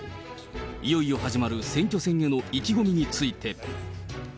いよいよ始まる選挙戦への意気込みについて。